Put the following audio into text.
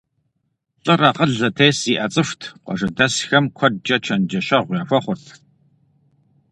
ЛӀыр акъыл зэтес зиӀэ цӀыхут, къуажэдэсхэм куэдкӀэ чэнджэщэгъу яхуэхъурт.